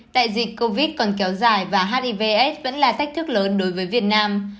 đại dịch covid còn kéo dài và hiv aids vẫn là thách thức lớn đối với việt nam